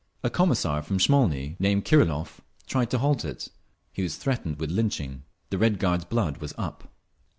A Commissar from Smolny named Kirilov tried to halt it; he was threatened with lynching. The Red Guards' blood was up.